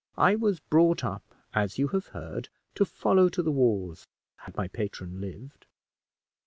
I was brought up, as you have heard, to follow to the wars, had my patron lived."